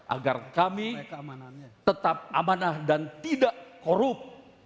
agar kami tetap amanah dan tidak korup